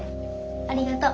ありがとう。